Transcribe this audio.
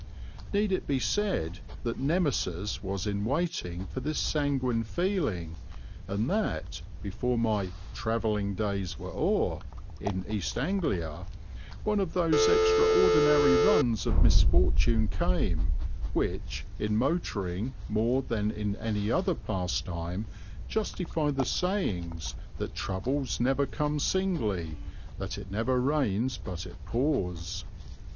Need it be said that Nemesis was in waiting for this sanguine feeling, and that, before my "travelling days were o'er" in East Anglia, one of those extraordinary runs of misfortune came, which, in motoring more than in any other pastime, justify the sayings that troubles never come singly, that it never rains but it pours?